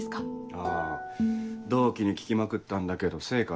あぁ同期に聞きまくったんだけど成果